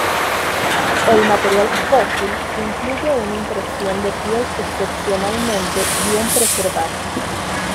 El material fósil incluye una impresión de piel excepcionalmente bien preservada.